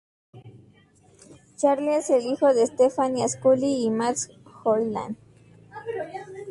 Charlie es el hijo de Stephanie Scully y Max Hoyland.